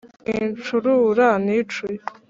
sincurura nicuye